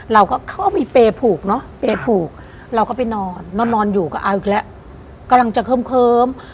เขาก็เขาก็มีเปรย์ผูกเนอะเปรย์ผูกเราก็ไปนอนนอนอยู่ก็เอาอีกแล้วกำลังจะเคิ้ม